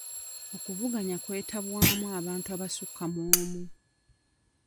Okuvuganya kwetabwamu abantu abasukka mu omu.